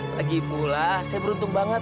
lagipula saya beruntung banget